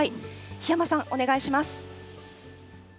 檜山さん、お願いします。